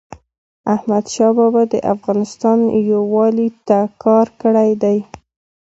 احمدشاه بابا د افغانستان یووالي ته کار کړی دی.